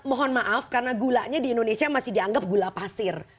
mohon maaf karena gulanya di indonesia masih dianggap gula pasir